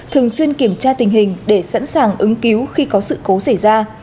thường xuyên kiểm tra tình hình để sẵn sàng ứng cứu khi có sự cố xảy ra